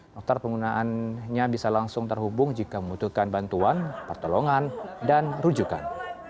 dokter penggunaannya bisa langsung terhubung jika membutuhkan bantuan pertolongan dan rujukan